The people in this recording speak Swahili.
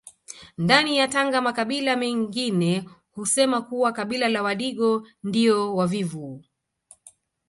Ndani ya Tanga makabila mengine husema kuwa kabila la Wadigo ndio wavivu